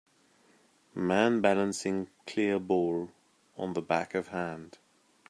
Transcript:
man balancing clear ball on the back of hand